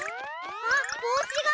あっぼうしが！